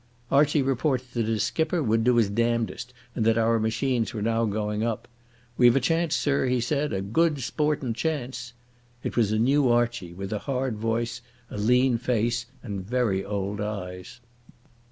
Archie reported that his skipper would do his damnedest and that our machines were now going up. "We've a chance, sir," he said, "a good sportin' chance." It was a new Archie, with a hard voice, a lean face, and very old eyes.